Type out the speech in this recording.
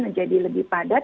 menjadi lebih padat